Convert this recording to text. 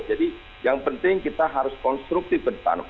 jadi yang penting kita harus konstruktif